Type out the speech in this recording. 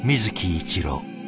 一郎。